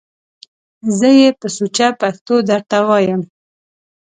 زه یې په سوچه پښتو درته وایم!